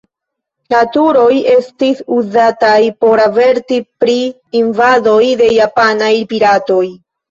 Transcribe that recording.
La turoj estis uzataj por averti pri invadoj de japanaj piratoj.